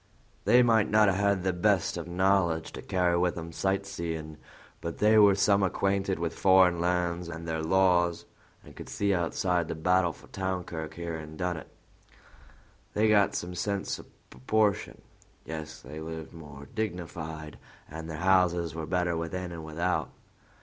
They may not have had the best of knowledge to carry with 'em sight seein', but they were some acquainted with foreign lands an' their laws, an' could see outside the battle for town clerk here in Dunnet; they got some sense o' proportion. Yes, they lived more dignified, and their houses were better within an' without.